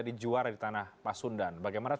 kedua pasangan jokowi maru merupakan selamat